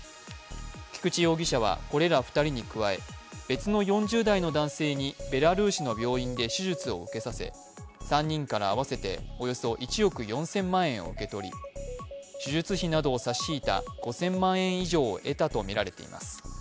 菊池容疑者はこれら２人に加え別の４０代の男性にベラルーシの病院で手術を受けさせ、３人から合わせておよそ１億４０００万円を受け取り手術費などを差し引いた５０００万円以上を得たとみられています。